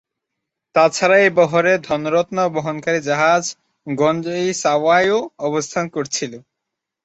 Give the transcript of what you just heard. এছাড়াও এই বহরে ধন-রত্ন বহনকারী জাহাজ গঞ্জ-ই-সাওয়াইও অবস্থান করছিল।